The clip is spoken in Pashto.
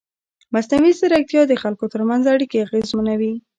مصنوعي ځیرکتیا د خلکو ترمنځ اړیکې اغېزمنوي.